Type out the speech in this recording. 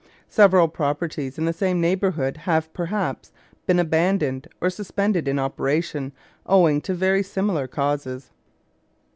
Several properties in the same neighbourhood have, perhaps, been abandoned or suspended in operation owing to very similar causes.